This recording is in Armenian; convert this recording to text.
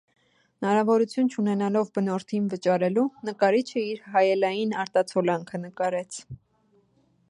Հնարավորություն չունենալով բնորդին վճարելու՝ նկարիչը իր հայելային արտացոլանքը նկարեց։